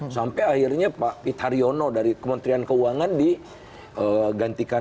sampai akhirnya pak itariono dari kementerian keuangan digantikan